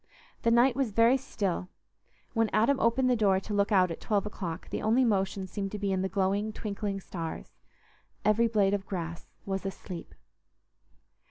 The night was very still: when Adam opened the door to look out at twelve o'clock, the only motion seemed to be in the glowing, twinkling stars; every blade of grass was asleep.